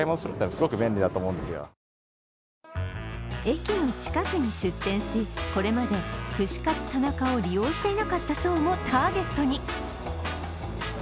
駅の近くに出店し、これまで串カツ田中を利用していなかった層もターゲットに。